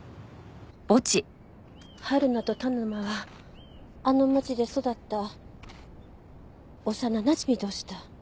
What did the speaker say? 春菜と田沼はあの街で育った幼なじみどした。